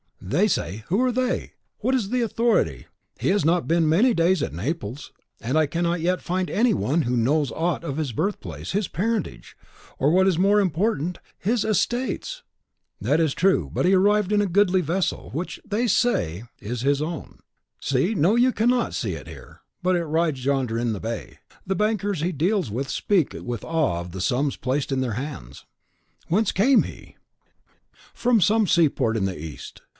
"THEY say, who are THEY? what is the authority? He has not been many days at Naples, and I cannot yet find any one who knows aught of his birthplace, his parentage, or, what is more important, his estates!" "That is true; but he arrived in a goodly vessel, which THEY SAY is his own. See, no, you cannot see it here; but it rides yonder in the bay. The bankers he deals with speak with awe of the sums placed in their hands." "Whence came he?" "From some seaport in the East.